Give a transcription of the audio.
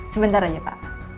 sebentar aja pak